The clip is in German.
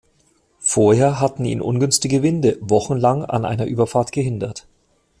Vorher hatten ihn ungünstige Winde wochenlang an einer Überfahrt gehindert.